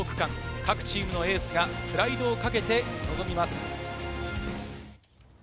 各チームのエースがプライドをかけて臨みます。